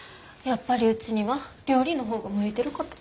やっぱりうちには料理の方が向いてるかと。